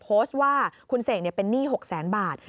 โพสต์ว่าคุณเสกเนี่ยเป็นหนี้๖๐๐๐๐๐บาท